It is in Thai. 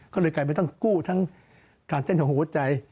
ก็เลยกลายเป็นต้องกู้ทั้งการเต้นของหัวใจ